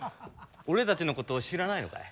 俺たちのことを知らないのかい？